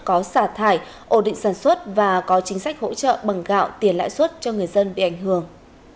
có xả thải ổn định sản xuất và có chính sách hỗ trợ bằng gạo tiền lãi suất cho người dân bị ảnh hưởng